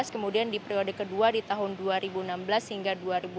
kemudian di periode kedua di tahun dua ribu enam belas hingga dua ribu dua puluh